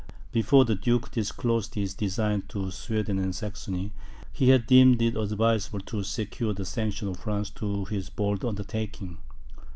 Before the duke disclosed his designs to Sweden and Saxony, he had deemed it advisable to secure the sanction of France to his bold undertaking.